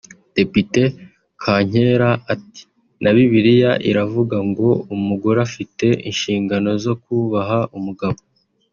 Depite Kankera ati “Na Bibiliya iravuga ngo umugore afite inshingano zo kubaha umugabo